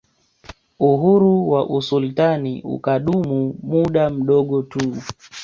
Uhuru wa usultani ukadumu muda mdogo tu